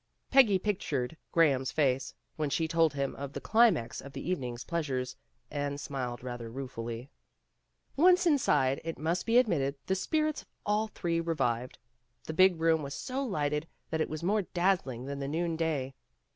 Peggy pictured Graham's face when she told him of the climax of the evening's pleasures, and smiled rather ruefully. Once inside, it must be admitted, the spirits of all three revived. The big room was so lighted that it was more dazzling than the noon day.